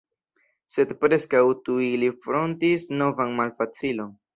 Sed preskaŭ tuj ili frontis novan malfacilon.